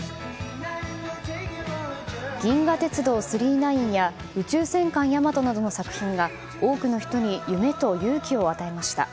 「銀河鉄道９９９」や「宇宙戦艦ヤマト」などの作品が多くの人に夢と勇気を与えました。